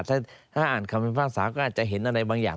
ถ้าอ่านคำพิพากษาก็อาจจะเห็นอะไรบางอย่าง